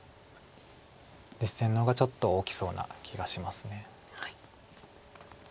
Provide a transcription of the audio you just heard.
実戦の方がちょっと大きそうな気がします。